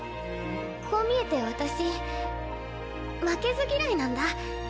こう見えて私負けず嫌いなんだ。